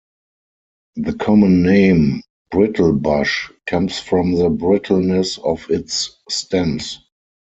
The common name "brittlebush" comes from the brittleness of its stems.